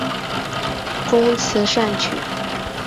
工词善曲。